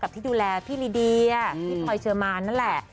กับที่ดูแลพี่นิดีพี่พอยเชิมานนั่นแหละ